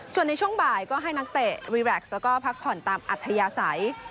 ส่วนในช่วงบ่ายก็ให้นักเตะรีแวคแล้วก็พักผ่อนตามอัธยาศัย